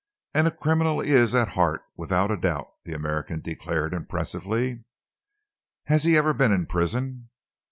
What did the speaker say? "And a criminal he is at heart, without a doubt," the American declared impressively. "Has he ever been in prison?"